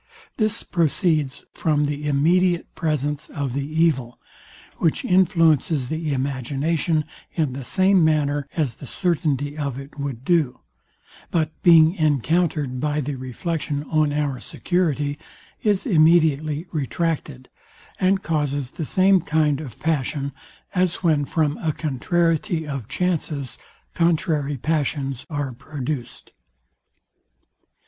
This proceeds from the immediate presence of the evil, which influences the imagination in the same manner as the certainty of it would do; but being encountered by the reflection on our security, is immediately retracted, and causes the same kind of passion, as when from a contrariety of chances contrary passions are produced.